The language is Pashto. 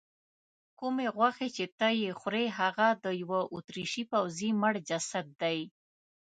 کومې غوښې چې ته یې خورې هغه د یوه اتریشي پوځي مړ جسد دی.